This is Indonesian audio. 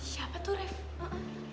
siapa tuh reva